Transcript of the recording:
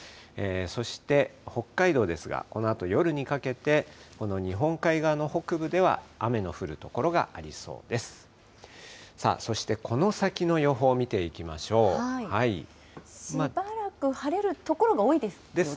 そして北海道ですが、このあと夜にかけて、この日本海側の北部では雨の降る所がありそうです。